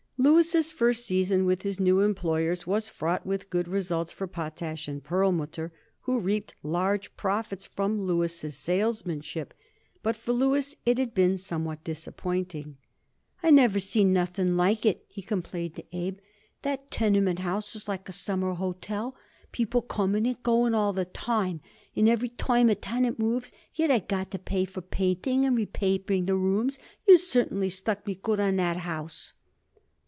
Louis' first season with his new employers was fraught with good results for Potash & Perlmutter, who reaped large profits from Louis' salesmanship; but for Louis it had been somewhat disappointing. "I never see nothing like it," he complained to Abe. "That tenement house is like a summer hotel people coming and going all the time; and every time a tenant moves yet I got to pay for painting and repapering the rooms. You certainly stuck me good on that house."